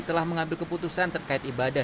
telah mengambil keputusan terkait ibadah